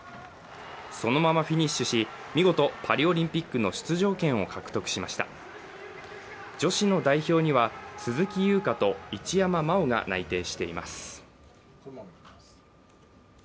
そのままフィニッシュし見事パリオリンピックの出場権を獲得しました女子の代表には、鈴木優花と一山麻緒が内定しています。